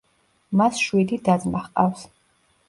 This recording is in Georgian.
მას შვიდი და-ძმა ჰყავს.